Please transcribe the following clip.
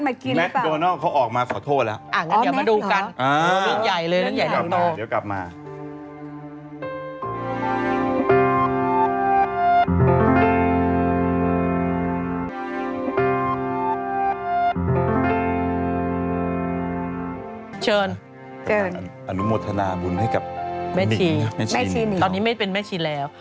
แม่ชีนตอนนี้ไม่เป็นแม่ชีนแล้ว